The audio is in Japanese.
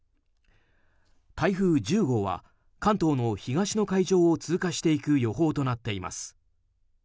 台風１０号は関東の東の海上を通過していく予報となっています。